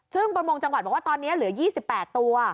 ซึ่งประมงจังหวัดบอกว่าตอนนี้เหลือ๒๘ตัว